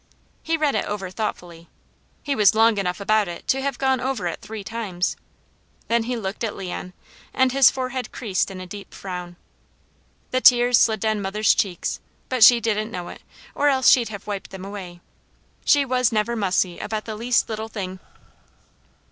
He read it over thoughtfully. He was long enough about it to have gone over it three times; then he looked at Leon, and his forehead creased in a deep frown. The tears slid down mother's cheeks, but she didn't know it, or else she'd have wiped them away. She was never mussy about the least little thing.